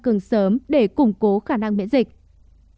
cường sớm để củng cố khả năng miễn dịch